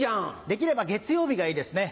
できれば月曜日がいいですね。